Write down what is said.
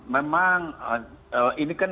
memang ini kan